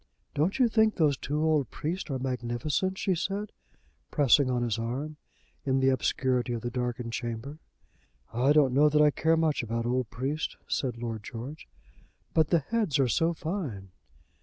"Don't you think those two old priests are magnificent?" she said, pressing on his arm, in the obscurity of the darkened chamber. "I don't know that I care much about old priests," said Lord George. "But the heads are so fine."